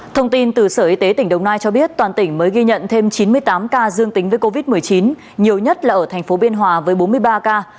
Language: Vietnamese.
thông tin từ sở y tế tỉnh đồng nai cho biết toàn tỉnh mới ghi nhận thêm chín mươi tám ca dương tính với covid một mươi chín nhiều nhất là ở thành phố biên hòa với bốn mươi ba ca